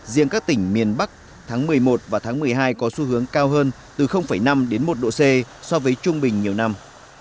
riêng các tỉnh miền bắc tháng một mươi một và tháng một mươi hai có xu hướng cao hơn từ năm đến một độ c so với trung bình nhiều năm